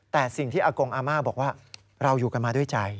แต่สิ่งที่อากงอาม่าบอกว่าเราอยู่กันมาด้วยใจ